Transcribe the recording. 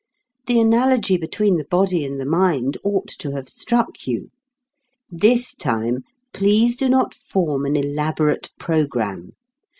The analogy between the body and the mind ought to have struck you. This time, please do not form an elaborate programme.